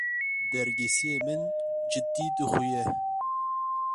Dergîsiyê min cidî dixuye.